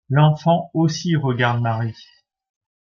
L'Enfant aussi regarde Marie.